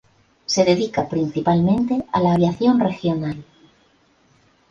Se dedica principalmente a la aviación regional.